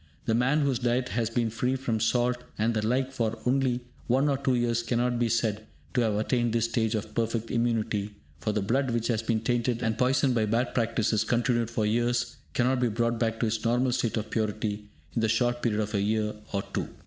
The man whose diet has been free from salt and the like for only one or two years cannot be said to have attained this stage of perfect immunity, for the blood which has been tainted and poisoned by bad practices continued for years cannot be brought back to its normal state of purity in the short period of a year or two.